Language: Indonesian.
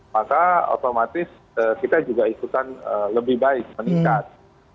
maka otomatis kita juga ikutan lebih baik meningkat